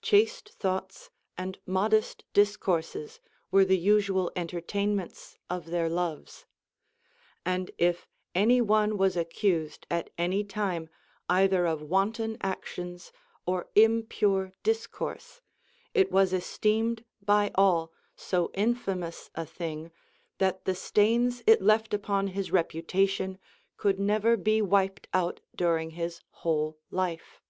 Chaste thoughts and modest discourses were the usual entertainments of their loves ; and if any one was accused at any time either of wanton actions or impure discourse, it was esteemed bv all so infamous a thmg;, that the stains it left upon his reputation could never be wiped out during his whole life.